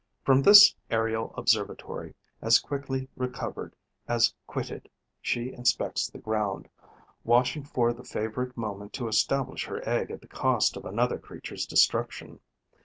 From this aerial observatory, as quickly recovered as quitted, she inspects the ground, watching for the favourable moment to establish her egg at the cost of another creature's destruction.